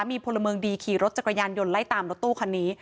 มีพลเมืองดีขี่รถจักรยานยนต์ไล่ตามรถตู้คันนี้